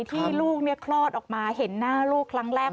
ที่ลูกคลอดออกมาเห็นหน้าลูกครั้งแรก